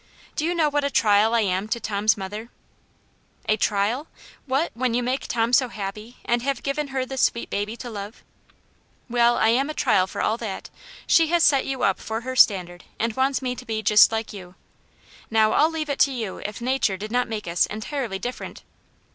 Do you know what a trial I am to Tom*s mother V *' A trial ? What, when you make Tom so happy, and have given her this sweet baby to love ?"" Well, I am a trial for all that. She has set you up for her standard and wants me to be just like you. Now I'll leave it to you if nature did not make us entirely different